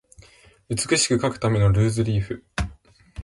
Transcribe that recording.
美しく書くためのルーズリーフ